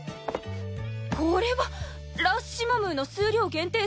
これは「ラ・シモムー」の数量限定